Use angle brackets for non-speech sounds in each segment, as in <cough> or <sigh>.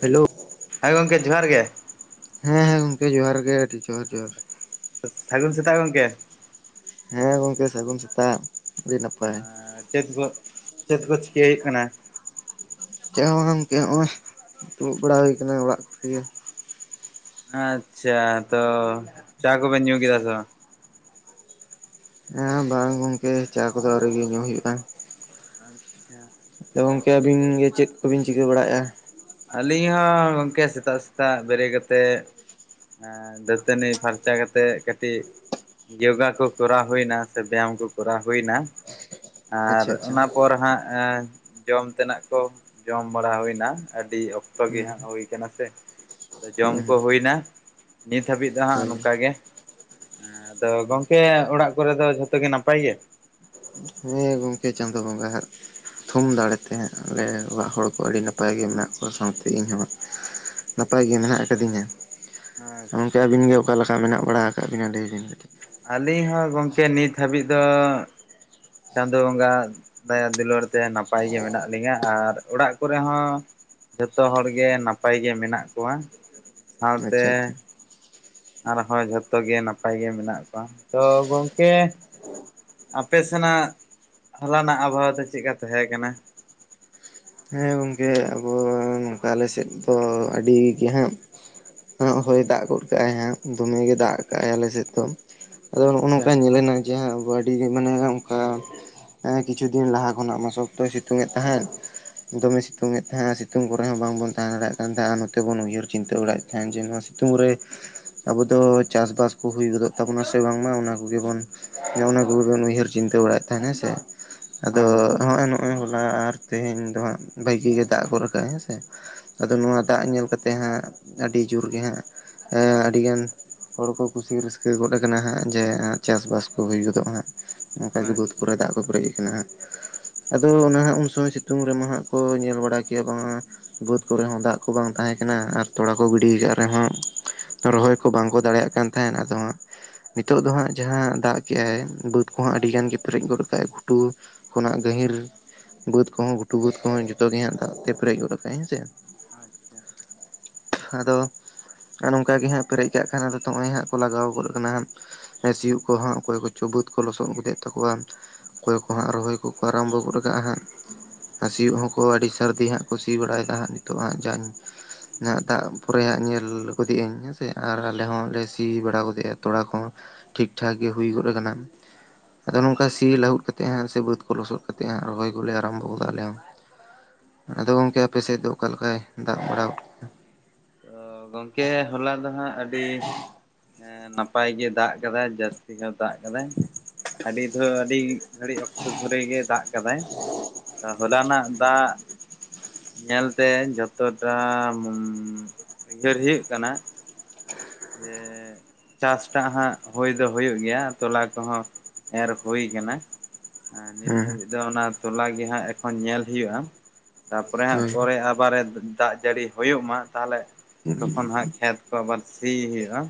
Hello ᱦᱮᱸ ᱜᱚᱢᱠᱮ ᱡᱚᱦᱟᱨ ᱜᱮ ᱦᱮᱸ ᱦᱮᱸ ᱜᱚᱢᱠᱮ ᱡᱚᱦᱟᱨ ᱜᱮ ᱟᱹᱰᱤ ᱡᱚᱦᱟᱨ ᱡᱚᱦᱟᱨ ᱥᱟᱹᱜᱩᱱ ᱥᱮᱛᱟᱜ ᱜᱚᱢᱠᱮ ᱦᱮᱸ ᱜᱚᱝᱠᱮ ᱥᱟᱹᱜᱩᱱ ᱥᱮᱛᱟᱜ ᱟᱹᱰᱤ ᱱᱟᱯᱟᱭ ᱪᱮᱫ ᱠᱚ ᱪᱮᱫ ᱠᱚ ᱪᱤᱠᱟᱹᱭ ᱦᱩᱭᱩᱜ ᱠᱟᱱᱟ ᱪ ᱦᱚᱸᱢᱟ ᱜᱚᱝᱠᱮ ᱦᱚᱸᱜᱼ ᱫᱩᱲᱩᱵ ᱵᱟᱲᱟ ᱦᱩᱭ ᱟᱠᱟᱱᱟ ᱚᱲᱟᱜ ᱠᱚᱨᱮᱜᱮ ᱟᱪᱷᱟ ᱛᱚ ᱪᱟ ᱠᱚᱵᱮᱱ ᱧᱩ ᱠᱮᱫᱟ ᱥᱮᱚᱟ ᱦᱮᱸ ᱵᱟᱝ ᱜᱚᱝᱠᱮ ᱪᱟ ᱠᱚᱫᱚ ᱟᱹᱣᱨᱤ ᱜᱮ ᱧᱩ ᱦᱩᱭᱩᱜᱼᱟ᱾ ᱟᱪᱪᱷᱟ ᱛᱚ ᱜᱚᱝᱠᱮ ᱟᱹᱞᱤᱧ ᱦᱚᱸ ᱜᱚᱢᱠᱮ ᱥᱮᱛᱟᱜ ᱥᱮᱛᱟᱜ ᱵᱮᱨᱮᱫ ᱠᱟᱛᱮᱫ ᱫᱟᱹᱛᱟᱹᱱᱤ ᱯᱷᱟᱨᱪᱟ ᱠᱟᱛᱮᱜ ᱠᱟᱹᱴᱤᱡ ᱡᱳᱜᱟ ᱠᱚ ᱠᱚᱨᱟᱣ ᱦᱩᱭᱱᱟ ᱥᱮ ᱵᱮᱭᱟᱢ ᱠᱚ ᱠᱚᱨᱟᱣ ᱦᱩᱭᱱᱟ᱾ ᱟᱨ ᱟᱪᱪᱷᱟ ᱟᱪᱪᱷᱟ ᱚᱱᱟ ᱯᱚᱨ ᱦᱟᱸᱜ ᱡᱚᱢ ᱛᱮᱱᱟᱜ ᱠᱚ ᱡᱚᱢ ᱵᱟᱲᱟ ᱦᱩᱭᱱᱟ ᱟᱹᱰᱤ ᱚᱠᱛᱚ ᱜᱮ ᱦᱮᱸ ᱦᱜ ᱦᱩᱭ ᱠᱟᱱᱟ ᱥᱮ ᱟᱫᱚ ᱡᱚᱢ ᱦᱮᱸ ᱠᱚ ᱦᱩᱭᱱᱟ ᱱᱤᱛ ᱦᱟᱹᱵᱤᱡ ᱫᱚ ᱦᱟᱸᱜ ᱦᱳᱭ ᱱᱚᱝᱠᱟ ᱜᱮ ᱟᱫᱚ ᱜᱚᱝᱠᱮ ᱚᱲᱟᱜ ᱠᱚᱨᱮ ᱫᱚ ᱡᱷᱚᱛᱚ ᱜᱮ ᱱᱟᱯᱟᱭ ᱜᱮᱭᱟ? ᱦᱮᱸ ᱜᱚᱢᱠᱮ ᱪᱟᱸᱫᱚ ᱵᱚᱸᱜᱟ ᱦᱟᱜ ᱛᱷᱩᱢ ᱫᱟᱲᱮᱛᱮ ᱟᱞᱮ ᱚᱲᱟᱜ ᱦᱚᱲ ᱠᱚ ᱟᱹᱰᱤ ᱱᱟᱯᱟᱭ ᱜᱮ ᱢᱮᱱᱟᱜ ᱠᱚᱣᱟ ᱥᱟᱶᱛᱮ ᱤᱧᱦᱚᱸ ᱱᱟᱯᱟᱭ ᱜᱮ ᱢᱮᱱᱟᱜ ᱟᱠᱟᱫᱤᱧᱟ ᱜᱚᱢᱠᱮ ᱟᱪᱪᱷᱟ ᱟᱹᱵᱤᱱ ᱜᱮ ᱚᱠᱟ ᱞᱮᱠᱟ ᱢᱮᱱᱟᱜ ᱵᱟᱲᱟ ᱠᱟᱜ ᱵᱤᱱᱟ ᱞᱟᱹᱭ ᱵᱤᱱ ᱠᱟᱹᱴᱤᱡ? ᱟᱹᱞᱤᱧ ᱦᱚᱸ ᱜᱚᱢᱠᱮ ᱱᱤᱛ ᱦᱟᱹᱵᱤᱡ ᱫᱚ ᱪᱟᱸᱫᱚ ᱵᱚᱸᱜᱟ ᱫᱟᱭ ᱫᱩᱞᱟᱹᱲ ᱛᱮ ᱱᱟᱯᱟᱭ ᱜᱮ ᱢᱮᱱᱟᱜ ᱞᱤᱧᱟᱹ ᱟᱨ ᱚᱲᱟᱜ ᱠᱚᱨᱮ ᱦᱚᱸ ᱡᱚᱛᱚ ᱦᱚᱲᱜᱮ ᱱᱟᱯᱟᱭ ᱜᱮ ᱢᱮᱱᱟᱜ ᱠᱚᱣᱟ ᱥᱟᱶᱛᱮ ᱟᱪᱪᱷᱟ ᱟᱪᱪᱷᱟ ᱟᱨᱦᱚᱸ ᱡᱷᱚᱛᱚ ᱜᱮ ᱱᱟᱯᱟᱭ ᱜᱮ ᱢᱮᱱᱟᱜ ᱠᱚᱣᱟ ᱛᱚ ᱜᱚᱢᱠᱮ ᱟᱯᱮ ᱥᱮᱱᱟᱜ ᱦᱚᱞᱟᱱᱟᱜ ᱟᱵᱷᱟᱣᱟ ᱫᱚ ᱪᱮᱫᱮᱠᱟ ᱛᱟᱦᱮᱸ ᱠᱟᱱᱟ? ᱦᱮᱸ ᱜᱚᱝᱠᱮ ᱟᱵᱚ ᱱᱚᱝᱠᱟ ᱟᱞᱮ ᱥᱮᱫ ᱫᱚ ᱟᱹᱰᱤ ᱜᱮ ᱦᱟᱸᱜ ᱦᱚᱭ ᱫᱟᱜ ᱜᱚᱫ ᱠᱟᱜᱼᱟᱭ ᱦᱮ ᱫᱚᱢᱮ ᱜᱮ ᱫᱟᱜ ᱠᱟᱜᱼ ᱟᱭ ᱟᱞᱮ ᱥᱮᱫ ᱫᱚ ᱟᱫᱚ ᱱᱚᱼᱚ ᱱᱚᱝᱠᱟ ᱟᱪᱪᱷᱟ ᱧᱮᱞᱮ ᱱᱟ ᱡᱮ ᱟᱵ ᱟᱹᱰᱤ ᱢᱟᱱᱮ ᱚᱱᱠᱟ ᱠᱤᱪᱷᱩ ᱫᱤᱱ ᱞᱟᱦᱟ ᱠᱷᱚᱱᱟᱜ ᱢᱟ ᱥᱚᱠᱛᱚᱭ ᱥᱤᱛᱩᱝ ᱮᱫ ᱛᱟᱦᱮᱸᱫ ᱫᱚᱢᱮ ᱥᱤᱛᱩᱝ ᱮ ᱛᱟᱦᱮᱸᱜᱼᱟ ᱥᱤᱛᱩᱝ ᱠᱚᱨᱮ ᱦᱚᱸ ᱵᱟᱝᱵᱚᱱ ᱛᱟᱦᱮᱸ ᱫᱟᱲᱮᱭᱟᱜ ᱠᱟᱱ ᱛᱟᱦᱮᱸᱜ ᱱᱚᱛᱮ ᱵᱚᱱ ᱩᱭᱦᱟᱹᱨ ᱪᱤᱱᱛᱟᱹ ᱵᱟᱲᱟ ᱦᱮᱸ ᱡᱮ ᱱᱚᱣᱟ ᱥᱤᱛᱩᱝ ᱨᱮ ᱟᱵᱚ ᱫᱚ ᱪᱟᱥᱵᱟᱥ ᱠᱚ ᱦᱩᱭ ᱜᱚᱫᱚᱜ ᱛᱟᱵᱚᱱᱟ ᱥᱮ ᱵᱟᱝᱢᱟ ᱚᱱᱟ ᱠᱚᱜᱮ ᱵᱚᱱ ᱼ ᱚᱱᱟ ᱠᱚᱜᱮᱵᱚᱱ ᱩᱭᱦᱟᱹᱨ ᱪᱤᱱᱛᱟᱹ ᱵᱟᱲᱟᱭᱮᱫ ᱛᱟᱦᱮᱱ ᱦᱮᱸ ᱥᱮ ᱟᱫᱚ ᱦᱳᱭ ᱦᱳᱭ ᱦᱚᱸᱜᱼᱚᱭ ᱱᱚᱜᱼᱚᱭ ᱦᱚᱞᱟ ᱟᱨ ᱛᱮᱦᱤᱧ ᱵᱷᱟᱹᱜᱤ ᱜᱮ ᱫᱟᱜ ᱜᱚᱫ ᱟᱠᱟᱫᱟᱭ ᱦᱮᱸᱥᱮ ᱟᱫᱚ ᱱᱚᱣᱟ ᱟᱪᱪᱷᱟ ᱫᱟᱜ ᱧᱮᱞ ᱠᱟᱛᱮᱜ ᱛᱮ ᱦᱟᱸᱜ ᱟᱹᱰᱤ ᱡᱩᱨ ᱜᱮ ᱦᱟᱸᱜ ᱟᱹᱰᱤ ᱜᱟᱱ ᱦᱚᱲ ᱠᱚ ᱠᱩᱥᱤ ᱨᱟᱹᱥᱠᱟᱹ ᱜᱚᱫ ᱟᱠᱟᱱᱟ ᱦᱟᱸᱜ ᱡᱮ ᱪᱟᱥᱼᱵᱟᱥ ᱠᱚ ᱦᱩᱭ ᱜᱚᱫᱚᱜ ᱦᱟᱸᱜ ᱱᱚᱝᱠᱟ ᱜᱮ ᱵᱟᱹᱫᱽ ᱟᱪᱪᱷᱟ ᱠᱚᱨᱮ ᱫᱟᱜ ᱠᱚ ᱯᱮᱨᱮᱡ ᱟᱠᱟᱱᱟ ᱟᱫᱚ ᱚᱱᱟ ᱦᱟᱸᱜ ᱩᱱ ᱥᱚᱢᱚᱭ ᱥᱤᱛᱩᱝ ᱨᱮᱢᱟ ᱦᱟᱸᱜ ᱠᱚ ᱧᱮᱞ ᱵᱟᱲᱟ ᱠᱮᱜᱼᱟ ᱵᱟᱝᱟ ᱵᱟᱹᱫᱽ ᱠᱚᱨᱮ ᱦᱚᱸ ᱫᱟᱜ ᱠᱚ ᱵᱟᱝ ᱛᱟᱦᱮᱸ ᱠᱟᱱᱟ ᱟᱨ ᱛᱚᱲᱟ ᱠᱚ ᱜᱤᱰᱤ ᱭᱟᱠᱟᱫ ᱨᱮᱦᱚᱸ ᱨᱚᱦᱚᱭ ᱠᱚ ᱵᱟᱝ ᱠᱚ ᱫᱟᱲᱮᱭᱟᱜ ᱠᱟᱱ ᱛᱟᱦᱮᱸᱱ ᱟᱫᱚ ᱦᱟᱸᱜ ᱱᱤᱛᱚᱜ ᱫᱚ ᱦᱟᱸᱜ ᱡᱟᱦᱟᱸ ᱫᱟᱜ ᱠᱮᱜ ᱟᱭ ᱵᱟᱹᱫᱽ ᱠᱚ ᱦᱚᱸ ᱟᱹᱰᱤ ᱜᱟᱱ ᱜᱮ ᱯᱮᱨᱮᱡ ᱜᱚᱫ ᱟᱠᱟ ᱟᱭ ᱜᱷᱩᱴᱩ ᱠᱷᱚᱱᱟᱜ ᱜᱟᱹᱦᱤᱨ ᱵᱟᱹᱫᱽ ᱠᱚᱦᱚᱸ ᱜᱷᱩᱴᱩ ᱵᱟᱹᱫᱽ ᱠᱚᱦᱚᱸ ᱡᱚᱛᱚ ᱜᱮ ᱦᱟᱸᱜ ᱫᱟᱜ ᱛᱮ ᱯᱮᱨᱮᱡ ᱜᱚᱫ ᱟᱠᱟᱫᱟᱭ ᱦᱮᱸ ᱥᱮ ᱟᱪᱪᱷᱟ ᱟᱫᱚ ᱟᱨ ᱱᱚᱝᱠᱟ ᱜᱮ ᱦᱟᱸᱜ ᱯᱮᱨᱮᱡ ᱠᱟᱜ ᱠᱷᱟᱱ ᱟᱫᱚ ᱱᱚᱜᱼᱚᱭ ᱦᱟᱸᱜ ᱠᱚ ᱞᱟᱜᱟᱣ ᱜᱚᱫ ᱟᱠᱟᱱᱟ ᱦᱟᱸᱜ ᱥᱤᱭᱳᱜ ᱠᱚᱦᱚᱸ ᱚᱠᱚᱭ ᱠᱚ ᱪᱚ ᱵᱟᱹᱫᱽ ᱠᱚ ᱞᱚᱥᱚᱫ ᱜᱚᱫ ᱮᱫ ᱛᱟᱠᱚᱣᱟ᱾ ᱚᱠᱚᱭ ᱠᱚ ᱦᱟᱸᱜ ᱨᱚᱦᱚᱭ ᱠᱚᱠᱚ ᱟᱨᱚᱢᱵᱷᱚ ᱜᱚᱫ ᱟᱠᱟᱜᱼᱟ ᱦᱟᱸᱜ ᱥᱤᱭᱳᱜ ᱦᱚᱸ ᱠᱚ ᱟᱹᱰᱤ ᱥᱟᱹᱨᱫᱤ ᱦᱟᱸᱜ ᱠᱚ ᱥᱤ ᱵᱟᱲᱟᱭᱮᱫᱟ ᱦᱟᱸᱜ ᱱᱤᱛᱚᱜ ᱦᱟᱸᱜ ᱡᱟᱜ ᱫᱟᱜ ᱯᱚᱨᱮ ᱧᱮᱞ ᱜᱚᱫᱮᱜ ᱟᱹᱧ ᱦᱮᱸ ᱥᱮ ᱟᱨ ᱟᱞᱮ ᱦᱚᱸ ᱞᱮ ᱥᱤ ᱵᱟᱲᱟ ᱜᱚᱫ ᱮᱫᱼᱟ ᱛᱚᱲᱟ ᱠᱚ ᱴᱷᱤᱠ ᱴᱷᱟᱠ ᱜᱮ ᱦᱩᱭ ᱜᱚᱫ ᱟᱠᱟᱱᱟ ᱟᱫᱚ ᱱᱚᱝᱠᱟ ᱥᱤ ᱞᱟᱹᱦᱩᱫ ᱠᱟᱛᱮ ᱦᱟᱜ ᱥᱮ ᱵᱟᱹᱫᱽ ᱠᱚ ᱞᱚᱥᱚᱫ ᱠᱟᱛᱮᱜ ᱨᱚᱦᱚᱭ ᱠᱚᱞᱮ ᱟᱨᱚᱢᱵᱷᱚ ᱟᱫᱚ ᱜᱚᱝᱠᱮ ᱟᱯᱮ ᱥᱮᱫ ᱫᱚ ᱚᱠᱟ ᱞᱮᱠᱟᱭ ᱫᱟᱜ ᱵᱟᱲᱟ ᱛᱚ ᱜᱚᱢᱠᱮ ᱦᱚᱞᱟ ᱫᱚ ᱦᱟᱸᱜ ᱟᱹᱰᱤ ᱱᱟᱯᱟᱭ ᱜᱮ ᱫᱟᱜ ᱧᱚᱜᱟᱭ ᱡᱟᱹᱥᱛᱤ ᱦᱚᱸ ᱫᱟᱜ ᱟᱠᱟᱫᱟᱭ ᱟᱹᱰᱤ ᱫᱷᱟᱹᱣ ᱟᱹᱰᱤ ᱜᱷᱟᱹᱲᱤᱡ ᱚᱠᱛᱚ ᱫᱷᱚᱨᱮ ᱜᱮ ᱫᱟᱜ ᱠᱟᱫᱟᱭ ᱦᱚᱞᱟ ᱱᱟᱜ ᱫᱟᱜ ᱧᱮᱞ ᱛᱮ ᱡᱚᱛᱚ ᱴᱟᱜ ᱩᱭᱦᱟᱹᱨ ᱦᱩᱭᱩᱜ ᱠᱟᱱᱟ᱾ ᱡᱮ ᱪᱟᱥ ᱴᱟᱜ ᱦᱟᱸᱜ ᱦᱩᱭ ᱫᱚ ᱦᱩᱭᱩᱜ ᱜᱮᱭᱟ ᱛᱚᱞᱟ ᱠᱚᱦᱚᱸ ᱮᱨ ᱦᱩᱭᱩ ᱟᱠᱟᱱᱟ᱾ ᱱᱤᱛ ᱦᱮᱸ ᱦᱟᱹᱵᱤᱡ ᱫᱚ ᱚᱱᱟ ᱛᱚᱞᱟ ᱜᱮ ᱦᱟᱸᱜ ᱤᱠᱷᱚᱱ ᱧᱮᱞ ᱦᱩᱭᱩᱜᱼᱟ᱾ᱛᱟᱯᱚᱨᱮ ᱦᱟᱸᱜ ᱦᱳᱭ ᱯᱚᱨᱮ ᱫᱟᱜ ᱡᱟᱹᱲᱤ ᱦᱩᱭᱳᱜ ᱢᱟ ᱛᱟᱦᱚᱞᱮ ᱛᱚᱠᱷᱚᱱ ᱦᱟᱸᱜ ᱠᱷᱮᱛ ᱠᱚ ᱟᱵᱟᱨ ᱥᱤ ᱦᱩᱭᱩᱜᱼᱟ᱾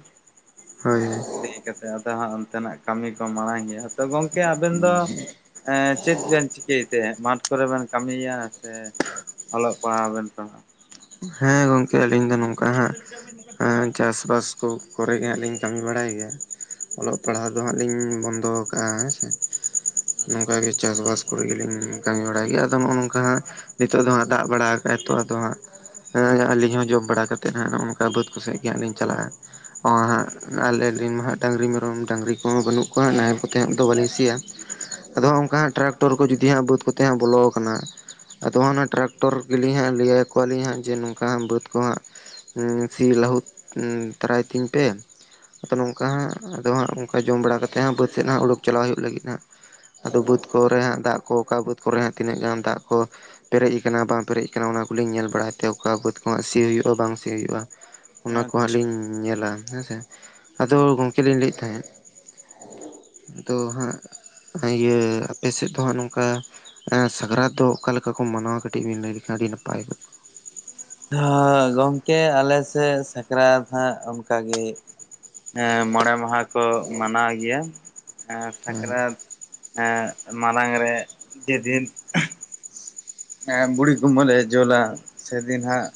ᱦᱳᱭ ᱦᱳᱭ ᱥᱤ ᱠᱟᱛᱮᱫ ᱟᱫᱚ ᱦᱟᱸᱜ ᱚᱱᱛᱮ ᱱᱟᱜ ᱠᱟᱹᱢᱤ ᱠᱚ ᱢᱟᱲᱟᱝ ᱜᱮᱭᱟ ᱛᱚ ᱜᱚᱢᱠᱮ ᱟᱵᱮᱱ ᱫᱚ ᱪᱮᱫ ᱵᱮᱱ ᱪᱤᱠᱟᱹ ᱮᱫᱛᱮ ᱢᱟᱴᱷ ᱠᱚᱨᱮ ᱵᱤᱱ ᱠᱟᱹᱢᱤᱭᱟ ᱥᱮ ᱚᱞᱚᱜ ᱯᱟᱲᱦᱟᱣ ᱦᱚᱸ ᱵᱤᱱ ᱯᱟᱲᱦᱟᱜᱼᱟ᱾ ᱦᱮᱸ ᱜᱚᱢᱠᱮ ᱟᱹᱞᱤᱧ ᱫᱚ ᱱᱚᱝᱠᱟ ᱦᱟᱸᱜ ᱪᱟᱥᱵᱟᱥ ᱠᱚ ᱠᱚᱨᱮ ᱜᱮ ᱦᱟᱸᱜ ᱞᱤᱧ ᱠᱟᱹᱢᱤ ᱵᱟᱲᱟᱭ ᱜᱮᱭᱟ᱾ ᱚᱞᱚᱜ ᱟᱪᱪᱷᱟ ᱯᱟᱲᱦᱟᱜ ᱫᱚ ᱦᱟᱸᱜ ᱞᱤᱧ ᱵᱚᱱᱫᱚ ᱟᱠᱟᱜᱼᱟ ᱦᱮᱸ ᱥᱮ ᱱᱚᱝᱠᱟ ᱜᱮ ᱪᱟᱥᱵᱟᱥ ᱠᱚᱨᱮ ᱜᱮᱞᱤᱧ ᱠᱟᱹᱢᱤ ᱵᱟᱲᱟᱭ ᱜᱮᱭᱟ᱾ ᱟᱫᱚ ᱱᱚᱜᱼᱚ ᱱᱚᱝᱠᱟ ᱦᱟᱸᱜ ᱱᱤᱛᱚᱜ ᱫᱚ ᱦᱟᱸᱜ ᱫᱟᱜ ᱵᱟᱲᱟ ᱟᱠᱟᱜᱼᱟ ᱛᱚ᱾ ᱟᱫᱚ ᱦᱟᱸᱜ ᱟᱹᱞᱤᱧ ᱦᱚᱸ ᱡᱚᱢ ᱵᱟᱲᱟ ᱠᱟᱛᱮᱫ ᱦᱟᱸᱜ ᱱᱚᱝᱠᱟ ᱵᱟᱹᱫᱽ ᱠᱚ ᱥᱮᱜ ᱦᱟᱸᱜ ᱞᱤᱧ ᱪᱟᱞᱟᱜᱼᱟ᱾ ᱦᱟᱸᱜ ᱟᱞᱮ ᱨᱤᱱ ᱢᱟ ᱦᱟᱸᱜ ᱰᱟᱹᱝᱨᱤ ᱢᱮᱨᱚᱢ ᱰᱟᱹᱝᱨᱤ ᱠᱚᱦᱚᱸ ᱵᱟᱹᱱᱩᱜ ᱠᱚᱣᱟ ᱱᱟᱦᱮᱞ ᱠᱚᱛᱮ ᱫᱚ ᱵᱟᱹᱞᱤᱧ ᱥᱤᱭᱟ ᱟᱫᱚ ᱦᱚᱸᱜ ᱚᱱᱠᱟ ᱟᱪᱪᱷᱟ ᱦᱟᱸᱜ ᱴᱨᱟᱠᱴᱚᱨ ᱠᱚ ᱡᱩᱫᱤ ᱦᱟᱸᱜ ᱵᱟᱹᱫᱽ ᱠᱚᱛᱮ ᱦᱟᱸᱜ ᱵᱚᱞᱚ ᱟᱠᱟᱱᱟ᱾ ᱟᱫᱚ ᱦᱟᱸᱜ ᱚᱱᱟ ᱴᱨᱟᱠᱴᱚᱨ ᱜᱮᱞᱤᱧ ᱦᱟᱸᱜ ᱞᱟᱹᱭ ᱟᱠᱚ ᱣᱟᱞᱤᱧ ᱦᱟᱸᱜ ᱡᱮ ᱱᱚᱝᱠᱟ ᱦᱟᱸᱜ ᱵᱟᱹᱫᱽ ᱠᱚ ᱦᱟᱸᱜ ᱥᱤ ᱞᱟᱹᱦᱩᱫ ᱛᱟᱨᱟᱭ ᱛᱤᱧ ᱯᱮ᱾ ᱟᱫᱚ ᱱᱚᱝᱠᱟ ᱦᱟᱸᱜ ᱟᱫᱚ ᱦᱟᱸᱜ ᱚᱠᱟ ᱡᱚᱢ ᱵᱟᱲᱟ ᱠᱟᱛᱮ ᱦᱟᱸᱜ ᱵᱟᱹᱫᱽ ᱥᱮᱫ ᱦᱟᱸᱜ ᱩᱰᱩᱠ ᱪᱟᱞᱟᱜ ᱦᱩᱭᱩᱜ ᱞᱟᱹᱜᱤᱫ ᱦᱟᱸᱜ ᱟᱫᱚ ᱟᱪᱪᱷᱟ ᱵᱟᱹᱫᱽ ᱠᱚᱨᱮ ᱦᱟᱸᱜ ᱫᱟᱜ ᱠᱚ ᱚᱠᱟ ᱵᱟᱹᱫᱽ ᱠᱚᱨᱮ ᱦᱚᱸ ᱛᱤᱱᱟᱹᱜ ᱜᱟᱱ ᱫᱟᱜ ᱠᱚ ᱯᱮᱨᱮᱡ ᱟᱠᱟᱱᱟ ᱵᱟᱝ ᱯᱮᱨᱮᱡ ᱟᱠᱟᱱᱟ ᱚᱱᱟ ᱠᱚᱞᱤᱧ ᱧᱮᱞ ᱵᱟᱲᱟᱭ ᱛᱮ ᱚᱠᱟ ᱵᱟᱹᱫᱽ ᱠᱚᱦᱚᱸ ᱥᱤ ᱦᱩᱭᱩᱜᱼᱟ, ᱵᱟᱝ ᱥᱤ ᱦᱩᱭᱩᱜᱼᱟ ᱚᱱᱟ ᱠᱚᱦᱚᱸ ᱦᱟᱸᱜ ᱟᱪᱪᱷᱟ ᱞᱤᱧ ᱧᱮᱞᱟ ᱦᱮᱸ ᱥᱮ᱾ᱟᱫᱚ ᱟᱪᱪᱷᱟ ᱟᱪᱪᱷᱟ ᱜᱚᱢᱠᱮ ᱞᱤᱧ ᱞᱟᱹᱭᱮᱫ ᱛᱟᱦᱮᱸᱫ ᱟᱫᱚ ᱦᱟᱸᱜ ᱤᱭᱟᱹ ᱟᱯᱮ ᱥᱮᱫ ᱫᱚ ᱦᱟᱸᱜ ᱱᱚᱝᱠᱟ ᱦᱮᱸ ᱥᱟᱠᱨᱟᱛ ᱫᱚ ᱚᱠᱟ ᱞᱮᱠᱟ ᱠᱚ ᱢᱟᱱᱟᱣᱟ? ᱠᱟᱹᱴᱤᱡ ᱵᱤᱱ ᱞᱟᱹᱭ ᱞᱮᱠᱷᱟᱱ ᱟᱹᱰᱤ ᱱᱟᱯᱟᱭ ᱜᱮ ᱦᱮᱸ ᱜᱚᱢᱠᱮ ᱟᱞᱮ ᱥᱮᱫ ᱥᱟᱠᱨᱟᱛ ᱦᱟᱸᱜ ᱚᱱᱠᱟ ᱜᱮ ᱦᱮᱸ ᱢᱚᱬᱮ ᱢᱟᱦᱟ ᱠᱚ ᱢᱟᱱᱟᱣ ᱜᱮᱭᱟ ᱮᱸ ᱦᱮᱸ ᱥᱟᱠᱨᱟᱛ ᱮᱸ ᱢᱟᱲᱟᱝ ᱨᱮ ᱡᱮᱫᱤᱱ ᱵᱩᱲᱤ ᱠᱩᱢᱵᱟᱹᱞᱮ ᱡᱳᱞᱟ ᱥᱮᱫᱤᱱ ᱦᱟᱸᱜ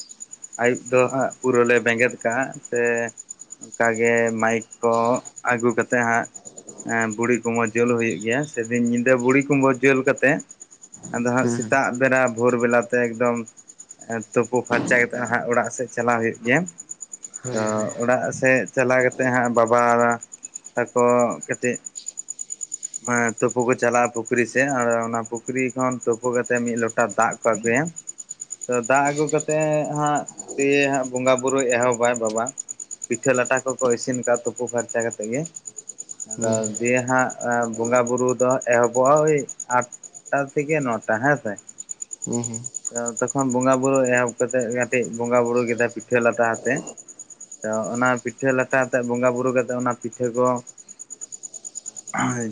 ᱟᱹᱭᱩᱵ ᱫᱚ ᱦᱟᱸᱜ ᱯᱩᱨᱟᱹ ᱞᱮ ᱵᱮᱸᱜᱮᱫ ᱠᱟᱜ-ᱟ ᱥᱮ ᱜᱮ ᱢᱟᱭᱤᱠ ᱠᱚ ᱟᱹᱜᱩ ᱠᱟᱛᱮᱫ ᱦᱟᱸᱜ ᱵᱩᱲᱤ ᱠᱩᱢᱵᱟᱹ ᱡᱩᱞ ᱦᱩᱭᱩᱜ ᱜᱮᱭᱟ᱾ ᱥᱮᱫᱤᱱ ᱧᱤᱫᱟᱹ ᱵᱩᱲᱤ ᱠᱩᱢᱵᱟᱹ ᱡᱩᱞ ᱠᱟᱛᱮᱫ ᱟᱫᱚ ᱦᱟᱸᱜ ᱦᱮᱸ ᱥᱮᱛᱟᱜ ᱵᱮᱲᱟ ᱵᱷᱳᱨ ᱵᱮᱞᱟᱛᱮ ᱮᱠᱫᱚᱢ ᱛᱩᱯᱩ ᱯᱷᱟᱨᱪᱟ ᱠᱟᱛᱮᱜ ᱦᱟᱸᱜ ᱚᱲᱟᱜ ᱥᱮᱫ ᱪᱟᱞᱟᱣ ᱦᱩᱭᱩᱜ ᱜᱮᱭᱟ᱾ ᱦᱮᱸ ᱛᱚ ᱚᱲᱟᱜ ᱥᱮᱫ ᱪᱟᱞᱟᱣ ᱠᱟᱛᱮᱫ ᱦᱟᱸᱜ ᱵᱟᱵᱟ, ᱛᱟᱠᱚ, ᱠᱟᱹᱴᱤᱡ <inaudible> ᱛᱩᱯᱩ ᱠᱚ ᱪᱟᱞᱟᱜᱼᱟ ᱯᱩᱠᱷᱨᱤ ᱥᱮᱫ ᱟᱨ ᱚᱱᱟ ᱯᱩᱠᱷᱨᱤ ᱠᱷᱚᱱ ᱛᱩᱯᱩ ᱠᱟᱛᱮᱜ ᱢᱤᱫ ᱞᱚᱴᱟ ᱫᱟᱜ ᱠᱚ ᱟᱹᱜᱩᱭᱟ ᱛᱚ ᱫᱟᱜ ᱟᱹᱜᱩ ᱠᱟᱛᱮᱫ ᱦᱟᱸᱜ ᱫᱤᱭᱮ ᱦᱟᱸᱜ ᱵᱚᱸᱜᱟ ᱵᱳᱨᱳᱭ ᱮᱦᱚᱵᱟᱭ ᱵᱟᱵᱟ᱾ ᱯᱤᱴᱷᱟᱹ ᱞᱟᱴᱷᱟ ᱠᱚᱠᱚ ᱤᱥᱤᱱ ᱠᱟᱜ-ᱟ ᱛᱩᱯᱩ ᱯᱷᱟᱨᱪᱟ ᱠᱟᱛᱮ ᱜᱮ᱾ ᱟᱫᱚ ᱫᱤᱭᱮ ᱦᱟᱸᱜ ᱵᱚᱸᱜᱟ ᱵᱩᱨᱩ ᱫᱚ ᱮᱦᱚᱵᱚᱜ-ᱟ, ᱦᱳᱭ ᱟᱴ ᱛᱷᱮᱠᱮ ᱱᱚᱴᱟ ᱦᱮᱸ ᱥᱮ ᱦᱩᱸ ᱦᱩᱸ ᱛᱚᱠᱷᱚᱱ ᱵᱚᱸᱜᱟ ᱵᱩᱨᱩ ᱮᱦᱚᱵ ᱠᱟᱛᱮᱜ ᱠᱟᱹᱴᱤᱡ ᱵᱚᱸᱜᱟ ᱵᱩᱨᱩ ᱠᱮᱫᱟ ᱯᱤᱴᱷᱟᱹ ᱞᱟᱴᱷᱟ ᱟᱛᱮ ᱛᱚ ᱚᱱᱟ ᱯᱤᱴᱷᱟᱹ ᱞᱟᱴᱷᱟ ᱟᱛᱮᱫ ᱵᱚᱸᱜᱟ ᱵᱩᱨᱩ ᱠᱟᱛᱮᱫ ᱚᱱᱟ ᱯᱤᱴᱷᱟᱹ ᱠᱚ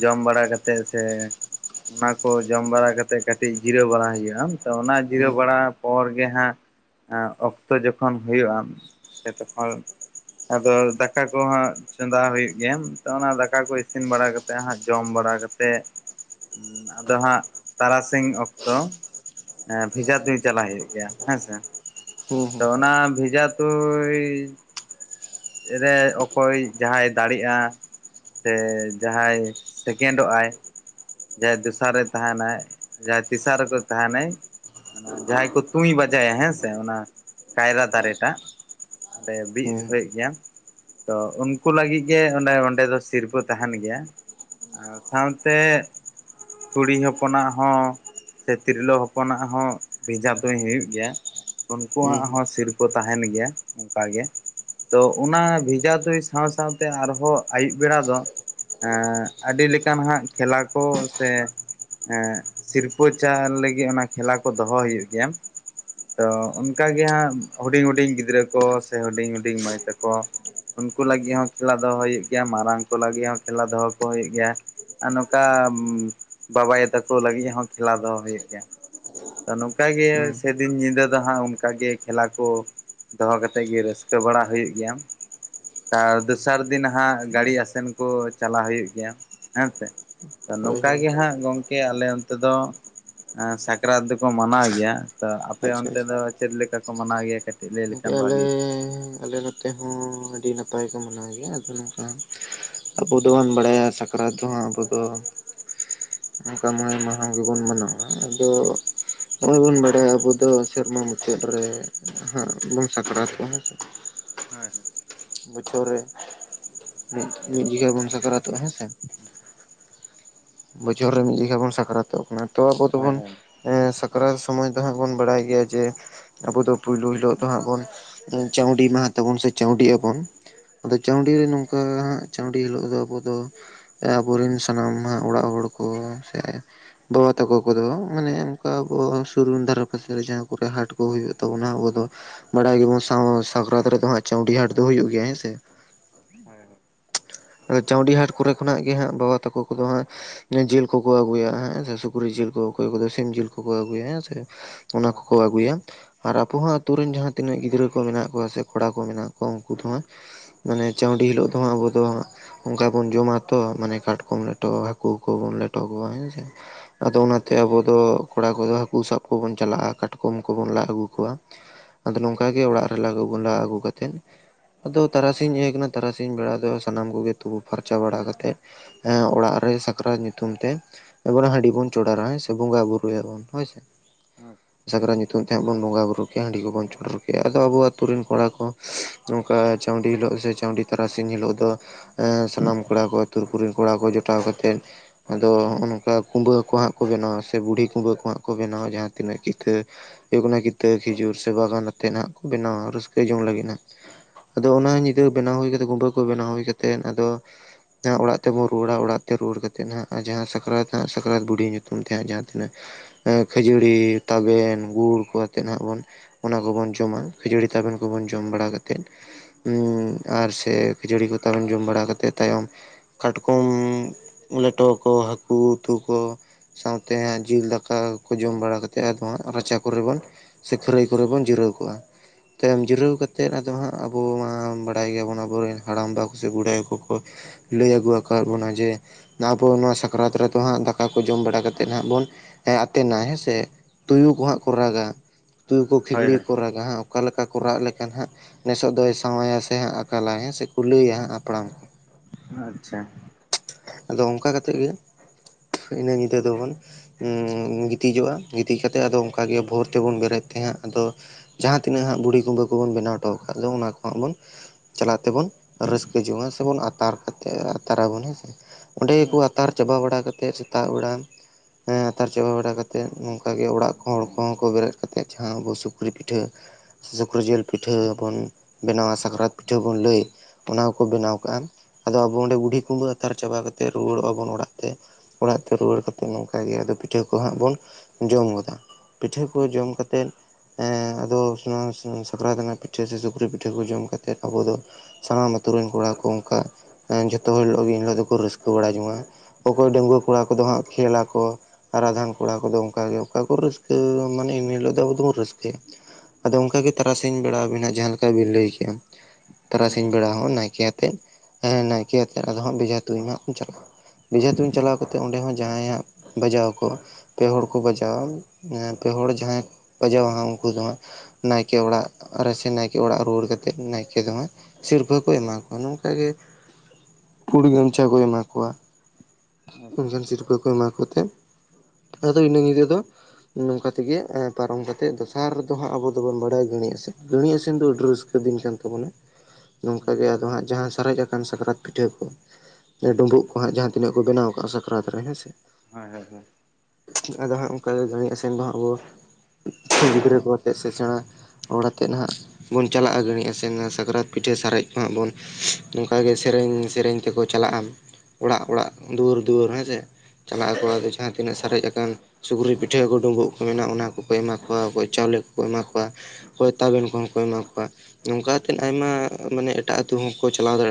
ᱡᱚᱢ ᱵᱟᱲᱟ ᱠᱟᱛᱮᱫ ᱥᱮ ᱚᱱᱟ ᱠᱚ ᱡᱚᱢ ᱵᱟᱲᱟ ᱠᱟᱛᱮᱜ ᱠᱟᱹᱴᱤᱡ ᱡᱤᱨᱟᱹᱣ ᱵᱟᱲᱟ ᱦᱩᱭᱩᱜ-ᱟ᱾ ᱛᱚ ᱚᱱᱟ ᱡᱤᱨᱟᱹᱣ ᱵᱟᱲᱟ ᱯᱚᱨ ᱜᱮ ᱦᱟᱸᱜ ᱚᱠᱛᱚ ᱡᱚᱠᱷᱚᱱ ᱦᱩᱭᱩᱜ-ᱟ ᱥᱮ ᱛᱚᱠᱷᱚᱱ ᱟᱫᱚ ᱫᱟᱠᱟ ᱠᱚ ᱦᱟᱸᱜ ᱪᱚᱸᱫᱟ ᱦᱩᱭᱩᱜ ᱜᱮᱭᱟ ᱛᱚ ᱚᱱᱟ ᱫᱟᱠᱟ ᱠᱚ ᱤᱥᱤᱱ ᱵᱟᱲᱟ ᱠᱟᱛᱮᱫ ᱦᱟᱸᱜ ᱡᱚᱢ ᱵᱟᱲᱟ ᱠᱟᱛᱮᱜ ᱟᱫᱚ ᱦᱟᱸᱜ ᱛᱟᱨᱟᱥᱤᱧ ᱚᱠᱛᱚ ᱮᱸ ᱵᱮᱷᱟ ᱛᱩᱧ ᱪᱟᱞᱟᱜ ᱦᱩᱭᱩᱜ ᱜᱮᱭᱟ ᱦᱮᱸ ᱥᱮ᱾ ᱛᱚ ᱚᱱᱟ ᱵᱷᱮᱡᱟ ᱛᱩᱧ᱾ ᱨᱮ ᱚᱠᱚᱭ ᱡᱟᱦᱟᱸᱭ ᱫᱟᱲᱤᱜ-ᱟ᱾ ᱥᱮ ᱡᱟᱦᱟᱸᱭ ᱥᱮᱠᱮᱱᱰᱚᱜᱼᱟᱭ᱾ ᱡᱟᱦᱟᱸᱭ ᱫᱚᱥᱟᱨ ᱨᱮᱭ ᱛᱟᱦᱮᱱᱟᱭ ᱡᱟᱦᱟᱸᱭ ᱛᱮᱥᱟᱨ ᱨᱮᱠᱚ ᱛᱟᱦᱮᱱᱟᱭ᱾ ᱡᱟᱦᱟᱸᱭ ᱠᱚ ᱛᱩᱧ ᱵᱟᱡᱟᱭᱟ ᱦᱮᱸᱥᱮ ᱚᱱᱟ ᱠᱟᱭᱨᱟ ᱫᱟᱨᱮᱴᱟᱜ ᱥᱮ ᱵᱤᱫ ᱦᱮᱸ ᱠᱮᱜ ᱜᱮᱭᱟᱢ᱾ ᱛᱚ ᱩᱱᱠᱩ ᱞᱟᱹᱜᱤᱫ ᱜᱮ ᱚᱱᱮ ᱚᱸᱰᱮ ᱫᱚ ᱥᱤᱨᱯᱟᱹ ᱛᱟᱦᱮᱱ ᱜᱮᱭᱟ᱾ ᱥᱟᱶᱛᱮ ᱠᱩᱲᱤ ᱦᱚᱯᱚᱱᱟᱜ ᱦᱚᱸ᱾ ᱥᱮ ᱛᱤᱨᱞᱟᱹ ᱦᱚᱯᱚᱱᱟᱜ ᱦᱚᱸ ᱵᱷᱮᱡᱟ ᱛᱩᱧ ᱦᱩᱭᱩᱜ ᱜᱮᱭᱟ᱾ ᱦᱮᱸ ᱩᱱᱠᱩᱣᱟᱜ ᱦᱮᱸ ᱦᱚᱸ ᱥᱤᱨᱯᱟᱹ ᱛᱟᱦᱮᱱ ᱜᱮᱭᱟ ᱚᱱᱠᱟ ᱜᱮ᱾ ᱛᱚ ᱚᱱᱟ ᱵᱷᱮᱡᱟ ᱛᱩᱧ ᱥᱟᱶ ᱥᱟᱶᱛᱮ ᱟᱨᱦᱚᱸ ᱟᱹᱭᱩᱵ ᱵᱮᱲᱟ ᱫᱚ ᱮᱸᱜ ᱟᱹᱰᱤ ᱞᱮᱠᱟᱱ ᱦᱟᱸᱜ ᱠᱷᱮᱞᱟ ᱠᱩ ᱥᱮ ᱮᱸᱜ ᱥᱤᱨᱯᱟᱹ ᱪᱟᱞ ᱞᱟᱹᱜᱤᱜ ᱚᱱᱟ ᱠᱷᱮᱞᱟ ᱠᱚ ᱫᱚᱦᱚ ᱦᱩᱭᱩᱜ ᱜᱮᱭᱟ᱾ ᱛᱚ ᱚᱱᱠᱟ ᱜᱮ ᱦᱟᱸᱜ ᱦᱩᱰᱤᱧ ᱦᱩᱰᱤᱧ ᱜᱤᱫᱽᱨᱟᱹ ᱠᱚ, ᱥᱮ ᱦᱩᱰᱤᱧ ᱦᱩᱰᱤᱧ ᱢᱟᱹᱭ ᱛᱟᱠᱚ ᱩᱱᱠᱩ ᱞᱟᱹᱜᱤᱫ ᱦᱚᱸ ᱠᱷᱮᱞᱟ ᱫᱚᱦᱚ ᱦᱩᱭᱩᱜ ᱜᱮᱭᱟ᱾ ᱢᱟᱨᱟᱝ ᱠᱚ ᱞᱟᱹᱜᱤᱫ ᱦᱚᱸ ᱠᱷᱮᱞᱟ ᱫᱚᱦᱚ ᱠᱚ ᱦᱩᱭᱩᱜ ᱜᱮᱭᱟ᱾ ᱟᱨ ᱱᱚᱝᱠᱟ ᱵᱟᱵᱟᱭᱳ ᱛᱟᱠᱚ ᱞᱟᱹᱜᱤᱫ ᱦᱚᱸ ᱠᱷᱮᱞᱟ ᱫᱚᱦᱚ ᱦᱩᱭᱩᱜ ᱜᱮᱭᱟ᱾ ᱱᱚᱝᱠᱟ ᱜᱮ ᱦᱮᱸ ᱥᱮᱫᱤᱱ ᱧᱤᱫᱟᱹ ᱫᱚ ᱦᱟᱸᱜ ᱚᱱᱠᱟᱜᱮ ᱠᱷᱮᱞᱟ ᱠᱚ ᱫᱚᱦᱚ ᱠᱟᱛᱮᱫ ᱜᱮ ᱨᱟᱹᱥᱠᱟᱹ ᱵᱟᱲᱟ ᱦᱩᱭᱩᱜ ᱜᱮᱭᱟ᱾ ᱛᱟᱨ ᱫᱚᱥᱟᱨ ᱫᱤᱱ ᱦᱟᱸᱜ ᱜᱟᱹᱬᱤ ᱟᱥᱮᱱ ᱠᱚ ᱪᱟᱞᱟᱣ ᱦᱩᱭᱩᱜ ᱜᱮᱭᱟ᱾ ᱦᱮᱸ ᱥᱮ ᱦᱳᱭ ᱱᱚᱝᱠᱟ ᱦᱳᱭ ᱜᱮ ᱦᱟᱸᱜ ᱜᱚᱢᱠᱮ ᱟᱞᱮ ᱚᱱᱛᱮ ᱫᱚ ᱥᱟᱠᱨᱟᱛ ᱫᱚᱠᱚ ᱢᱟᱱᱟᱣ ᱜᱮᱭᱟ ᱛᱚ ᱟᱯᱮ ᱟᱪᱪᱷᱟ ᱚᱱᱛᱮ ᱟᱪᱪᱷᱟ ᱫᱚ ᱪᱮᱫ ᱞᱮᱠᱟ ᱠᱚ ᱢᱟᱱᱟᱣ ᱜᱮᱭᱟ ᱠᱟᱹᱴᱤᱡ ᱞᱟᱹᱭ ᱞᱮᱠᱷᱟᱱ ᱟᱞᱮ, ᱵᱷᱟᱜᱮ ᱟᱞᱮ ᱱᱚᱛᱮ ᱦᱚᱸ ᱟᱹᱰᱤ ᱱᱟᱯᱟᱭ ᱠᱚ ᱢᱟᱱᱟᱣ ᱜᱮᱭᱟ ᱟᱫᱚ ᱱᱚᱝᱠᱟ ᱟᱵᱚ ᱫᱚᱵᱚᱱ ᱵᱟᱲᱟᱭᱟ ᱥᱟᱠᱨᱟᱛᱷ ᱫᱚ ᱦᱟᱸᱜ ᱟᱵᱚ ᱫᱚ᱾ ᱚᱱᱠᱟ ᱢᱚᱬᱮ ᱢᱟᱦᱟ ᱜᱮᱵᱚᱱ ᱢᱟᱱᱟᱣᱟ᱾ ᱟᱫᱚ ᱱᱚᱜᱼᱚᱭ ᱵᱚᱱ ᱵᱟᱲᱟᱭᱟ ᱟᱵᱚ ᱫᱚ ᱥᱮᱨᱢᱟ ᱢᱩᱪᱟᱹᱫ ᱨᱮ ᱦᱟᱸᱜ ᱵᱚᱱ ᱥᱟᱠᱨᱟᱛᱚᱜᱼᱟ᱾ ᱦᱮᱸ ᱥᱮ ᱦᱮᱸ ᱵᱚᱪᱷᱚᱨ ᱨᱮ ᱢᱤᱫ ᱢᱤᱫ ᱡᱚᱠᱷᱟ ᱵᱚᱱ ᱥᱟᱠᱨᱟᱛᱚᱜᱼᱟ᱾ ᱦᱮᱸᱥᱮ ᱵᱚᱪᱷᱚᱨ ᱨᱮ ᱢᱤᱫ ᱡᱚᱠᱷᱟ ᱜᱮᱵᱚᱱ ᱥᱟᱠᱨᱟᱛᱚᱜ ᱠᱟᱱᱟ ᱛᱚ ᱟᱵᱚ ᱦᱳᱭ ᱦᱳᱭ ᱫᱚᱵᱚᱱ᱾ ᱦᱳᱭ ᱮᱸ ᱥᱟᱠᱨᱟᱛ ᱥᱚᱢᱚᱭ ᱫᱚ ᱦᱟᱸᱜ ᱵᱚᱱ ᱵᱟᱲᱟᱭ ᱜᱮᱭᱟ ᱡᱮ ᱟᱵᱚ ᱫᱚ ᱯᱩᱭᱞᱩ ᱦᱤᱞᱳ ᱫᱚ ᱦᱟᱸᱜ ᱵᱚᱱ ᱪᱟᱹᱣᱰᱤ ᱢᱟᱦᱟ ᱛᱟᱵᱚᱱ ᱥᱮ ᱪᱟᱹᱣᱰᱤᱜ ᱟᱵᱚᱱ᱾ ᱟᱫᱚ ᱪᱟᱹᱣᱰᱤ ᱨᱮ ᱱᱚᱝᱠᱟ ᱦᱟᱸᱜ ᱪᱟᱹᱣᱰᱤ ᱦᱤᱞᱳᱜ ᱫᱚ ᱟᱵᱚ ᱫᱚ ᱟᱵᱚᱨᱮᱱ ᱥᱟᱱᱟᱢ ᱦᱟᱸᱜ ᱚᱲᱟᱜ ᱦᱚᱲ ᱠᱚ ᱥᱮ ᱵᱟᱵᱟ ᱛᱟᱠᱚ ᱠᱚᱫᱚ ᱢᱟᱱᱮ ᱚᱱᱠᱟ ᱟᱵᱚ ᱥᱩᱨᱮᱱ ᱫᱷᱟᱨᱟ ᱯᱟᱥᱮ ᱨᱮ, ᱡᱟᱦᱟᱸ ᱠᱚᱨᱮ ᱦᱟᱴ ᱠᱚ ᱦᱩᱭᱩᱜ ᱛᱟᱵᱚᱱᱟ ᱟᱵᱚ ᱫᱚ ᱵᱟᱲᱟᱭ ᱜᱮᱵᱚᱱ ᱥᱟᱠᱨᱟᱛ ᱨᱮᱫᱚ ᱦᱟᱸᱜ ᱪᱟᱹᱣᱰᱤ ᱦᱟᱴ ᱫᱚ ᱦᱩᱭᱩᱜ ᱜᱮᱭᱟ ᱦᱮᱸ ᱥᱮ ᱦᱚᱭ ᱦᱚ <unintelligible> ᱪᱟᱹᱶᱰᱤ ᱦᱟᱴ ᱠᱚᱨᱮ ᱠᱷᱚᱱᱟᱜ ᱜᱮ ᱦᱟᱸᱜ ᱵᱟᱵᱟ ᱛᱟᱠᱚ ᱠᱚᱫᱚ ᱦᱟᱸᱜ ᱡᱤᱞ ᱠᱚᱠᱚ ᱟᱹᱜᱩᱭᱟ ᱦᱮᱸ ᱥᱮ ᱥᱩᱠᱨᱤ ᱡᱤᱞ ᱠᱚ ᱚᱠᱚᱭ ᱠᱚᱫᱚ ᱥᱤᱢ ᱡᱤᱞ ᱠᱚᱠᱚ ᱟᱹᱜᱩᱭᱟ ᱦᱮᱸ ᱥᱮ ᱚᱱᱟ ᱦᱳᱭ ᱠᱚᱠᱚ ᱟᱹᱜᱩᱭᱟ ᱟᱨ ᱟᱵᱚ ᱦᱚᱸ ᱟᱛᱩᱨ ᱨᱮᱱ ᱡᱟᱦᱟᱸ ᱛᱤᱱᱟᱹᱜ ᱜᱤᱫᱽᱨᱟᱹ ᱠᱚ ᱢᱮᱱᱟᱜ ᱠᱚᱣᱟ ᱥᱮ ᱠᱚᱲᱟ ᱠᱚ ᱢᱮᱱᱟᱜ ᱠᱚᱣᱟ ᱩᱱᱠᱩ ᱫᱚ ᱢᱟᱱᱮ ᱪᱟᱹᱣᱰᱤ ᱦᱤᱞᱳᱜ ᱫᱚ ᱦᱟᱸᱜ ᱟᱵᱚ ᱫᱚ ᱦᱟᱸᱜ ᱚᱱᱠᱟ ᱵᱚᱱ ᱡᱚᱢᱟ, ᱛᱚ ᱢᱟᱱᱮ ᱠᱟᱴᱠᱚᱢ ᱞᱮᱴᱚ ᱦᱟᱹᱠᱩ ᱠᱚ ᱠᱚᱵᱚᱱ ᱞᱮᱴᱚ ᱠᱚᱣᱟ, ᱦᱮᱸᱥᱮ ᱟᱫᱚ ᱚᱱᱟᱛᱮ ᱟᱵᱚ ᱫᱚ ᱠᱚᱲᱟ ᱠᱚᱫᱚ ᱦᱟᱹᱠᱩ ᱥᱟᱵ ᱠᱚᱵᱚᱱ ᱪᱟᱞᱟᱜᱼᱟ᱾ ᱠᱟᱴᱠᱚᱢ ᱠᱚᱵᱚᱱ ᱞᱟᱜ ᱟᱹᱜᱩ ᱠᱚᱣᱟ᱾ ᱟᱫᱚ ᱱᱚᱝᱠ ᱜᱮ ᱚᱲᱟᱜ ᱨᱮ ᱞᱟ ᱟᱹᱜᱩ ᱞᱟ ᱟ. ᱜᱩ ᱠᱟᱛᱮᱜ ᱟᱫᱚ ᱛᱟᱨᱟᱥᱤᱧ ᱦᱮᱜ ᱠᱟᱱᱟ ᱛᱟᱨᱟᱥᱤᱧ ᱵᱮᱲᱟ ᱫᱚ ᱥᱟᱱᱟᱢ ᱠᱚᱜᱮ ᱛᱩᱲᱩ ᱯᱷᱟᱨᱪᱟ ᱵᱟᱲᱟ ᱠᱟᱛᱮᱫ᱾ ᱮᱸ ᱚᱲᱟᱜ ᱨᱮ ᱥᱟᱠᱨᱟᱛ ᱧᱩᱛᱩᱢ ᱛᱮ ᱛᱟᱯᱚᱨᱮ ᱦᱟᱺᱰᱤ ᱵᱚᱱ ᱪᱚᱰᱟᱨᱟ ᱦᱮᱸ ᱥᱮ ᱵᱚᱸᱜᱟ ᱵᱩᱨᱩᱭᱟᱵᱚᱱ ᱦᱳᱭ ᱥᱮ ᱟᱪᱪᱷᱟ᱾ ᱥᱟᱠᱨᱟᱛ ᱧᱩᱛᱩᱢ ᱛᱮ ᱦᱟᱸᱜ ᱵᱚᱱ ᱵᱚᱸᱜᱟ ᱵᱩᱨᱩ ᱠᱮᱜᱼᱟ᱾ ᱦᱟᱺᱰᱤ ᱠᱚᱵᱚᱱ ᱪᱚᱰᱚᱨ ᱠᱮᱜᱼᱟ ᱟᱫᱚ ᱟᱵᱚ ᱟ. ᱛᱩ ᱨᱮᱱ ᱠᱚᱲᱟ ᱠᱚ ᱱᱚᱝᱠᱟ ᱪᱟᱣᱶᱰᱤ ᱦᱤᱞᱳᱜ ᱥᱮ ᱪᱟᱹᱶᱰᱤ ᱛᱟᱨᱟᱥᱤᱧ ᱦᱤᱞᱳᱜ ᱫᱚ ᱮᱸ ᱥᱟᱱᱟᱢ ᱠᱚᱲᱟ ᱠᱚ ᱟᱹᱛᱩ ᱠᱚᱨᱮᱱ ᱠᱚᱲᱟ ᱠᱚ ᱡᱚᱴᱟᱣ ᱠᱟ ᱠᱟᱛᱮᱫ ᱟᱫᱚ ᱱᱚᱜᱚᱭ ᱱᱚᱝᱠᱟ ᱠᱩᱢᱵᱟᱹ ᱠᱚ ᱦᱟᱸᱜ ᱠᱚ ᱵᱮᱱᱟᱣᱟ ᱥᱮ ᱵᱩᱲᱦᱤ ᱠᱩᱵᱟᱹ ᱠᱚ ᱦᱟᱸᱜ ᱠᱚ ᱵᱮᱱᱟᱣ-ᱟ ᱡᱟᱦᱟᱸ ᱛᱤᱱᱟᱹᱜ ᱠᱤᱛᱟᱹ ᱦᱩᱭᱩᱜ ᱠᱟᱱᱟ ᱠᱤᱛᱟᱹ ᱠᱷᱤᱡᱩᱨ ᱥᱮ ᱵᱟᱜᱟᱱ ᱟᱛᱮᱜ ᱦᱟᱸᱜ ᱠᱚ ᱵᱮᱱᱟᱣᱟ ᱨᱟᱹᱥᱠᱟᱹ ᱡᱚᱝ ᱞᱟᱹᱜᱤᱫ ᱦᱟᱸᱜ ᱟᱫᱚ ᱚᱱᱟ ᱧᱤᱫᱟᱹ ᱵᱮᱱᱟᱣ ᱦᱩᱭ ᱠᱟᱛᱮ ᱠᱩᱢᱵᱟᱹ ᱠᱚ ᱵᱮᱱᱟᱣ ᱦᱩᱭ ᱠᱟᱛᱮᱫ ᱟᱫᱚ ᱡᱟᱦᱟᱸ ᱚᱲᱟᱜ ᱛᱮᱵᱚᱱ ᱨᱩᱣᱟᱹᱲᱟ ᱚᱲᱟᱜ ᱛᱮ ᱨᱩᱣᱟᱹᱲ ᱠᱟᱛᱮᱫ ᱦᱟᱸᱜ ᱟᱨ ᱡᱟᱦᱟᱸ ᱥᱟᱠᱨᱟᱛ ᱦᱟᱸᱜ ᱥᱟᱠᱨᱟᱛ ᱵᱩᱰᱷᱤ ᱧᱩᱛᱩᱢ ᱛᱮ ᱡᱟᱦᱟᱸ ᱛᱤᱱᱟᱹᱜ ᱠᱷᱟᱹᱡᱟᱹᱲᱤ ᱛᱟᱵᱮᱱ ᱜᱩᱲ ᱠᱚ ᱟᱛᱮᱜ ᱱᱟᱦᱜ ᱵᱚᱱ ᱚᱱᱟ ᱠᱚᱵᱚᱱ ᱡᱚᱢᱟ ᱠᱷᱟᱹᱡᱟᱹᱲᱤ ᱛᱟᱵᱮᱱ ᱠᱚᱵᱚᱱ ᱡᱚᱢ ᱵᱟᱲᱟ ᱠᱟᱛᱮᱫ ᱩᱸ ᱟᱨ ᱥᱮ ᱠᱷᱟᱹᱡᱟᱹᱲᱤ ᱠᱚ ᱛᱟᱵᱮᱱ ᱡᱚᱢ ᱵᱟᱲᱟ ᱠᱟᱛᱮᱫ ᱛᱟᱭᱚᱢ ᱠᱟᱴᱠᱚᱢ ᱞᱮᱴᱚ ᱠᱚ ᱦᱟᱹᱠᱩ ᱩᱛᱩ ᱠᱚ ᱥᱟᱶᱛᱮ ᱦᱟᱸᱜ ᱡᱤᱞ ᱫᱟᱠᱟ ᱠᱚ ᱡᱚᱢ ᱵᱟᱲᱟ ᱠᱟᱛᱮᱫ ᱟᱫᱚ ᱨᱟᱪᱟ ᱠᱚᱨᱮ ᱵᱚᱱ ᱥᱮ ᱠᱷᱟᱹᱨᱟᱹᱭ ᱠᱚᱨᱮ ᱵᱚᱱ ᱡᱤᱨᱟᱹᱣ ᱠᱚᱜᱼᱟ ᱛᱟᱭᱚᱢ ᱡᱤᱨᱟᱹᱣ ᱠᱟᱛᱮᱫ ᱟᱫᱚ ᱦᱟᱸᱜ ᱟᱵᱚ ᱢᱟ ᱵᱟᱲᱟᱭ ᱜᱮᱭᱟᱵᱚᱱ ᱟᱵᱚᱨᱮᱱ ᱦᱟᱲᱟᱢ ᱵᱟ ᱥᱮ ᱵᱩᱰᱤ ᱟᱭᱳ ᱠᱚᱠᱚ ᱞᱟᱹᱭ ᱟᱹᱜᱩ ᱟᱠᱟᱫ ᱵᱚᱱᱟ ᱡᱮ ᱟᱵᱚ ᱱᱚᱣᱟ ᱥᱟᱠᱨᱟᱛ ᱨᱮᱫᱚ ᱦᱟᱸᱜ ᱫᱟᱠᱟ ᱠᱚ ᱡᱚᱢ ᱵᱟᱲᱟ ᱠᱟᱛᱮᱜ ᱦᱟᱸᱜ ᱵᱚᱱ ᱟᱛᱮᱱᱟ ᱦᱮᱸᱥᱮ ᱛᱩᱭᱩ ᱠᱚ ᱦᱟᱸᱜ ᱠᱚ ᱨᱟᱜᱟ ᱛᱩᱭᱩ ᱠᱚ ᱦᱳᱭ ᱠᱷᱤᱠᱲᱤ ᱦᱳᱭ ᱠᱚ ᱨᱟᱜᱟ ᱞᱟᱦᱟ ᱚᱠᱟ ᱞᱮᱠᱟ ᱠᱚ ᱨᱟᱜ ᱞᱮᱠᱷᱟᱱ ᱦᱟᱸᱜ ᱱᱮᱥᱚᱜ ᱫᱚᱭ ᱥᱟᱶᱟᱭᱟ ᱥᱮ ᱦᱟᱸᱜ ᱟᱠᱟᱞᱟᱭ ᱦᱮᱸ ᱥᱮ ᱠᱩᱞᱟᱹᱭᱟ ᱦᱟᱸᱜ ᱦᱟᱯᱲᱟᱢ ᱠᱚ ᱟᱪᱪᱷᱟ ᱟᱫᱚ ᱚᱱᱠᱟ ᱠᱟᱛᱮᱫ ᱜᱮ ᱤᱱᱟᱹ ᱧᱤᱫᱟᱹ ᱫᱚᱵᱚᱱ ᱜᱤᱛᱤᱡᱚᱜᱼᱟ ᱜᱤᱛᱤᱡ ᱠᱟᱛᱮᱜ ᱟᱫᱚ ᱚᱱᱠᱟᱜᱮ ᱵᱷᱳᱨ ᱛᱮᱵᱚᱱ ᱵᱮᱨᱮᱫ ᱛᱮᱦᱟᱸᱜ ᱟᱫᱚ ᱡᱟᱦᱟᱸ ᱛᱤᱱᱟᱹᱜ ᱦᱟᱸᱜ ᱵᱩᱲᱦᱤ ᱠᱩᱢᱵᱟᱹ ᱠᱚᱵᱚᱱ ᱵᱮᱱᱟᱣ ᱦᱚᱴᱚ ᱟᱠᱟᱫ ᱫᱚ ᱚᱱᱟ ᱠᱚ ᱦᱟᱸᱜ ᱵᱚᱱ ᱪᱟᱞᱟᱜ ᱛᱮᱵᱚᱱ ᱨᱟᱹᱥᱠᱟᱹ ᱡᱚᱝᱼᱟ ᱥᱮᱵᱚᱱ ᱟᱛᱟᱨ ᱠᱟᱛᱮ ᱟᱛᱟᱨ ᱟᱵᱚᱱ ᱦᱮᱸ ᱥᱮ ᱚᱸᱰᱮ ᱦᱳᱭ ᱠᱚ ᱟᱪᱪᱷᱟ ᱟᱛᱟᱨ ᱪᱟᱵᱟ ᱵᱟᱲᱟ ᱠᱟᱛᱮᱫ ᱥᱮᱛᱟᱜ ᱵᱮᱲᱟ ᱦᱮᱸ ᱟᱛᱟᱨ ᱪᱟᱵᱟ ᱵᱟᱲᱟ ᱠᱟᱛᱮᱜ ᱱᱚᱝᱠᱟᱜᱮ ᱚᱲᱟᱜ ᱦᱚᱲ ᱠᱚᱦᱚᱸ ᱠᱚ ᱵᱮᱨᱮᱫ ᱠᱟᱛᱮᱫ ᱡᱟᱦᱟᱸ ᱟᱵᱚ ᱥᱩᱠᱨᱤ ᱯᱤᱴᱷᱟᱹ ᱥᱩᱠᱨᱤ ᱡᱤᱞ ᱯᱤᱴᱷᱟᱹ ᱵᱚᱱ ᱵᱮᱱᱟᱣᱼᱟ ᱥᱟᱠᱨᱟᱛ ᱯᱤᱴᱷᱟᱹ ᱵᱚᱱ ᱞᱟᱹᱭ ᱚᱱᱟ ᱠᱚ ᱵᱮᱱᱟᱣ ᱠᱟᱜᱼᱟ ᱟᱫᱚ ᱟᱵᱚ ᱚᱸᱰᱮ ᱵᱩᱰᱦᱤ ᱠᱩᱢᱵᱟᱹ ᱟᱛᱟᱨ ᱪᱟᱵᱟ ᱠᱟᱛᱮ ᱨᱩᱣᱟᱹᱲᱚᱜᱼᱟᱵᱚᱱ ᱚᱲᱟᱜ ᱛᱮ ᱚᱲᱟᱜ ᱛᱮ ᱨᱩᱣᱟᱹᱲ ᱠᱟᱛᱮ ᱱᱚᱝᱠᱟ ᱜᱮ ᱟᱫᱚ ᱯᱤᱴᱷᱟᱹ ᱠᱚᱦᱟᱸᱜ ᱵᱚᱱ ᱡᱚᱢ ᱜᱚᱫᱟ ᱯᱤᱴᱷᱟᱹ ᱠᱚ ᱡᱚᱢ ᱠᱟᱛᱮᱫ ᱦᱮᱸ ᱟᱫᱚ ᱥᱟᱠᱨᱟᱛ ᱨᱮᱱᱟᱜ ᱯᱤᱴᱷᱟᱹ ᱥᱮ ᱥᱩᱠᱨᱤ ᱯᱤᱴᱷᱟᱹ ᱠᱚ ᱡᱚᱢ ᱠᱟᱛᱮᱫ ᱟᱵᱚ ᱫᱚ ᱥᱟᱱᱟᱢ ᱟᱛᱳ ᱨᱮᱱ ᱠᱚᱲᱟ ᱠᱚ ᱚᱱᱠᱟ ᱡᱷᱚᱛᱚ ᱦᱤᱞᱳᱜ ᱜᱮ ᱮᱱᱦᱤᱞᱳᱜ ᱫᱚᱠᱚ ᱨᱟᱹᱥᱠᱟᱹ ᱵᱟᱲᱟ ᱡᱚᱝᱟ ᱚᱠᱚᱭ ᱰᱟᱺᱜᱣᱟᱹ ᱠᱚᱲᱟ ᱠᱚᱫᱚ ᱦᱟᱸᱜ ᱠᱷᱮᱞᱟ ᱟᱠ ᱠᱚ ᱟᱨ ᱟᱫᱷᱟᱱ ᱠᱚᱲᱟ ᱠᱚᱫᱚ ᱚᱱᱠᱟᱜᱮ ᱚᱱᱠᱟ ᱠᱚ ᱨᱟᱹᱥᱠᱟᱹ ᱢᱟᱱᱮ ᱮᱱ ᱦᱤᱞᱳᱜ ᱫᱚ ᱟᱵᱚ ᱫᱚᱵᱚᱱ ᱨᱟᱹᱥᱠᱟᱹᱭᱟ ᱟᱫᱚ ᱚᱱᱠᱟᱜᱮ ᱛᱟᱨᱟᱥᱤᱧ ᱵᱮᱲᱟ ᱟᱵᱤᱱ ᱡᱟᱦᱟᱸᱞᱮᱠᱟ ᱵᱤᱱ ᱞᱟᱹᱭ ᱠᱮᱜᱼᱟ ᱦᱳᱭ ᱛᱟᱨᱟᱥᱤᱧ ᱵᱮᱲᱟ ᱦᱚᱸ ᱱᱟᱭᱠᱮ ᱟᱛᱮᱫ ᱱᱟᱭᱠᱮ ᱟᱛᱮ ᱟᱫᱚ ᱦᱟᱸ ᱵᱷᱮᱡᱟ ᱛᱩᱧ ᱦᱟᱸ ᱪᱟᱞᱟᱜᱼᱟ ᱵᱮᱡᱷᱟ ᱛᱩᱧ ᱪᱟᱞᱟᱣ ᱠᱟᱛᱮᱫ ᱚᱸᱰᱮ ᱦᱚᱸ ᱡᱟᱦᱟᱸᱭᱟᱜ ᱵᱟᱡᱟᱣ ᱠᱚ ᱯᱮ ᱦᱚᱲ ᱠᱚ ᱵᱟᱡᱟᱣᱼᱟ ᱯᱮ ᱦᱚᱲ ᱡᱟᱦᱟᱸᱭ ᱵᱟᱡᱟᱣᱟ ᱦᱟᱸᱜ ᱩᱱᱠᱩ ᱫᱚ ᱦᱟᱸᱜ ᱱᱟᱭᱠᱮ ᱚᱲᱟᱜ ᱨᱮᱥᱮ ᱱᱟᱭᱠᱮ ᱚᱲᱟᱜ ᱨᱩᱣᱟᱹᱲ ᱠᱟᱛᱮᱫ ᱱᱟᱭᱠᱮ ᱫᱚ ᱥᱤᱨᱯᱟᱹ ᱠᱚ ᱮᱢᱟ ᱠᱚᱣᱟ ᱱᱚᱝᱠᱟ ᱜᱮ ᱯᱩᱲ ᱜᱟᱢᱪᱷᱟ ᱠᱚ ᱮᱢᱟ ᱠᱚᱣᱟ ᱚᱱᱠᱟᱱ ᱥᱤᱨᱯᱟᱹ ᱠᱚ ᱮᱢᱟ ᱠᱚᱛᱮ ᱟᱫᱚ ᱤᱱᱟᱹ ᱧᱤᱫᱟᱹ ᱫᱚ ᱱᱚᱝᱠᱟ ᱛᱮᱜᱮ ᱯᱟᱨᱚᱢ ᱠᱟᱛᱮᱫ ᱫᱚᱥᱟᱨ ᱨᱮ ᱫᱚ ᱦᱟᱸᱜ ᱟᱵᱚ ᱫᱚᱵᱚᱱ ᱵᱟᱰᱟᱭᱟ ᱜᱟᱹᱲᱭ ᱜᱟᱹᱲᱭ ᱥᱤᱱ ᱫᱚ ᱟᱹᱰᱤ ᱨᱟᱹᱥᱠᱟᱹ ᱫᱤᱱ ᱠᱟᱱ ᱛᱟᱵᱚᱱᱟ ᱱᱚᱠᱟ ᱜᱮ ᱟᱫᱚ ᱦᱸ ᱡᱟᱦᱟᱸ ᱥᱟᱨᱮᱡ ᱟᱱ ᱥᱟᱠᱨᱟᱛ ᱯᱤᱴᱷᱟᱹ ᱠᱚ ᱰᱩᱸᱵᱩᱜ ᱠᱚ ᱦᱟᱸᱜ ᱡᱟᱦᱟᱸ ᱛᱤᱱᱟᱹᱜ ᱠᱚ ᱵᱮᱱᱟᱣ ᱟᱠᱟᱜᱼᱟ ᱥᱟᱠᱨᱟᱛ ᱨᱮ ᱦᱮᱸᱥᱮ ᱦᱳᱭ ᱦᱳᱭ ᱟᱫᱚ ᱦᱟᱸᱜ ᱚᱱᱠᱟ ᱜᱟᱹᱲᱤ ᱟᱥᱮᱱ ᱫᱚ ᱦᱟᱸᱜ ᱟᱵᱚ ᱜᱤᱫᱽᱨᱟᱹ ᱠᱚ ᱟᱛᱮᱫ ᱥᱮ ᱥᱮᱬᱟ ᱦᱚᱲ ᱟᱛᱮᱫ ᱱᱟᱸᱜ ᱵᱚᱱ ᱪᱟᱞᱟᱜᱼᱟ ᱜᱟᱹᱲᱤ ᱟᱥᱮᱱ ᱥᱟᱠᱨᱟᱛ ᱯᱤᱴᱷᱟᱹ ᱯᱤᱴᱷᱟᱹ ᱥᱟᱨᱮᱡ ᱠᱚ ᱦᱟᱸᱜ ᱵᱚᱱ ᱱᱚᱝᱠᱟ ᱜᱮ ᱥᱮᱨᱮᱧ ᱥᱮᱨᱮᱧ ᱛᱮᱠᱚ ᱪᱟᱞᱟᱜᱼᱟ ᱚᱲᱟᱜ ᱚᱲᱟᱜ ᱫᱩᱣᱟᱹᱨ ᱫᱩᱣᱟᱹᱨ ᱦᱮᱸᱥᱮ ᱪᱟᱞᱟᱜ ᱟᱠᱚ ᱟᱫᱚ ᱡᱟᱦᱟᱸ ᱛᱤᱱᱟᱹᱜ ᱥᱟᱨᱮᱡ ᱟᱠᱟᱱ ᱥᱩᱠᱨᱤ ᱯᱤᱴᱷᱟᱹ ᱠᱚ ᱰᱳᱵᱳᱜ ᱠᱚ ᱢᱮᱱᱟᱜᱼᱟ ᱚᱱᱟ ᱠᱚᱠᱚ ᱮᱢᱟ ᱠᱚᱣᱟ ᱚᱠᱚᱭ ᱪᱟᱣᱞᱮ ᱠᱚᱠᱚ ᱮᱢᱟ ᱠᱚᱣᱟ ᱦᱚᱭ ᱛᱟᱵᱮᱱ ᱠᱚᱦᱚᱸ ᱠᱚ ᱮᱢᱟ ᱠᱚᱣᱟ ᱱᱚᱝᱠᱟᱛᱮᱫ ᱟᱭᱢᱟ ᱢᱟᱱᱮ ᱮᱴᱟᱜ ᱟᱹᱛᱩᱳ ᱦᱚᱸᱠᱚ ᱪᱟᱞᱟᱣ ᱫᱟᱲᱮᱭᱟᱜᱼᱟ